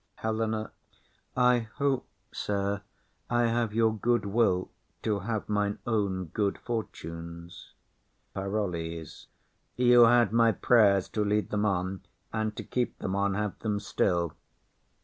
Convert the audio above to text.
HELENA. I hope, sir, I have your good will to have mine own good fortune. PAROLLES. You had my prayers to lead them on; and to keep them on, have them still.